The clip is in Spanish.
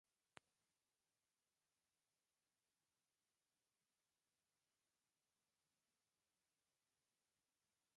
Jugó al lado de Alexis Sanchez, Juan Cuadrado y Antonio Di Natale.